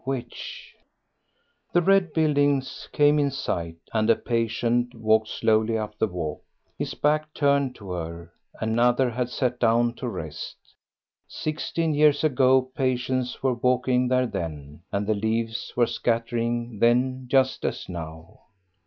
Which? The red building came in sight, and a patient walked slowly up the walk, his back turned to her; another had sat down to rest. Sixteen years ago patients were walking there then, and the leaves were scattering then just as now....